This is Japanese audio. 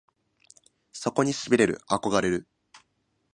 そこに痺れる憧れる